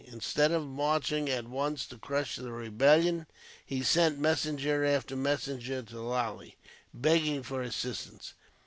Instead of marching at once to crush the rebellion, he sent messenger after messenger to Lally, begging for assistance.